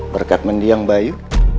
berkat mendiang bayu